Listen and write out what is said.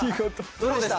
どうでした？